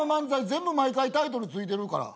全部毎回タイトル付いてるから。